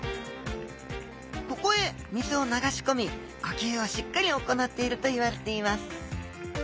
ここへ水を流しこみ呼吸をしっかり行っているといわれています。